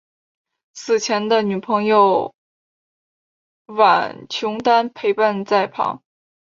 死前的女朋友苑琼丹陪伴在旁。